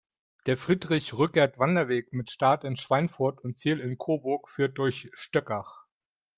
Der Friedrich-Rückert-Wanderweg mit Start in Schweinfurt und Ziel in Coburg führt durch Stöckach.